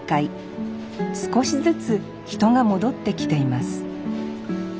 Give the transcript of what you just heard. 少しずつ人が戻ってきています。